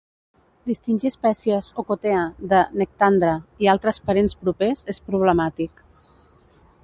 Distingir espècies "Ocotea" de "Nectandra" i altres parents propers és problemàtic.